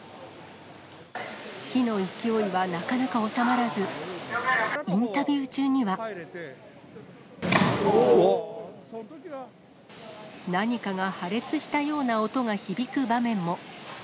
火の勢いはなかなか収まらず、インタビュー中には。何かが破裂したような音が響く場面も。